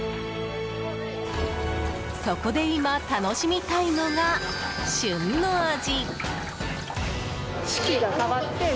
そこで今、楽しみたいのが旬の味。